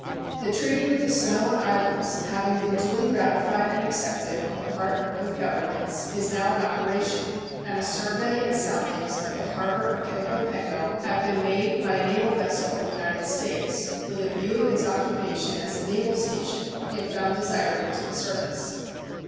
The treaty with the Samoan Islands, having been duly ratified and accepted on the part of both Governments, is now in operation, and a survey and soundings of the harbor of Pago Pago have been made by a naval vessel of the United States, with a view of its occupation as a naval station if found desirable to the service.